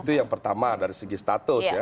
itu yang pertama dari segi status ya